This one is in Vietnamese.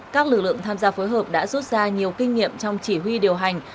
các lực lượng tham gia phối hợp đã rút ra nhiều kinh nghiệm trong chỉ huy điều hành